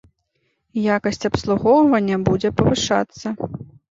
Якасць абслугоўвання будзе павышацца.